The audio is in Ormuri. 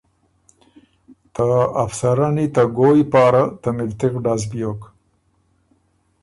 ته افسرنی ته ګویٛ پاره ته ملتِغ ډز بیوک۔